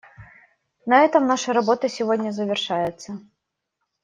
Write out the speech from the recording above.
На этом наша работа на сегодня завершается.